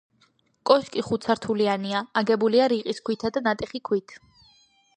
კოშკი ხუთსართულიანია, აგებულია რიყის ქვითა და ნატეხი ქვით.